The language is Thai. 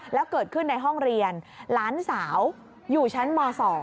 แล้วเกิดขึ้นในห้องเรียนหลานสาวอยู่ชั้นม๒